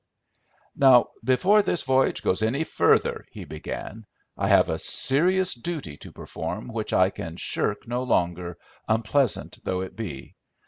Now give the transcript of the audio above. "Now, before this voyage goes any further," he began, "I have a serious duty to perform which I can shirk no longer, unpleasant though it be.